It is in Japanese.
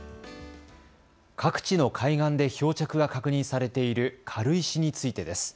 各地の海岸で漂着が確認されている軽石についてです。